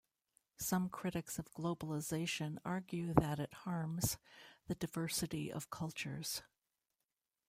Some critics of globalization argue that it harms the diversity of cultures.